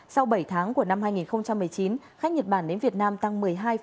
sau bảy tháng của năm hai nghìn một mươi chín khách nhật bản đến việt nam tăng một mươi hai